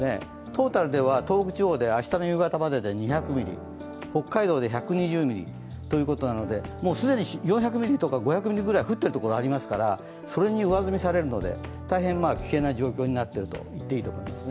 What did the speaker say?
トータルでは東北地方で明日の夕方までで２００ミリ、北海道で１２０ミリということなので既に４００ミリとか５００ミリとか降ってる所がありますからそれに上積みされるので、大変危険な状況になっていると言っていいと思います。